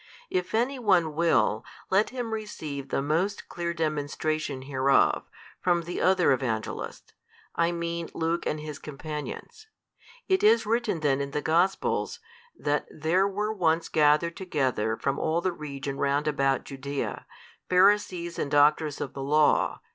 If any one will, let him receive the most clear demonstration hereof, from the other Evangelists, I mean Luke and his companions. It is written then in the Gospels, that there were once gathered together from all the region round about Judea, Pharisees and doctors of the law.